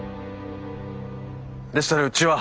でしたらうちは。